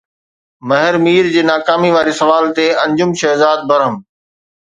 مهر مير جي ناڪامي واري سوال تي انجم شهزاد برهم